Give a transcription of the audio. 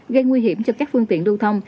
gây nguy hiểm cho các phương tiện đua xe